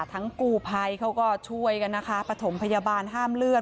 กูภัยเขาก็ช่วยกันนะคะประถมพยาบาลห้ามเลือด